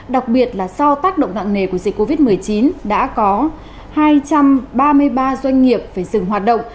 đặc biệt là sau tác động nặng nề của dịch covid một mươi chín đã có hai trăm ba mươi ba doanh nghiệp phải dừng hoạt động